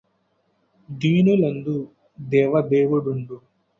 దీనులందు దేవదేవుడుండు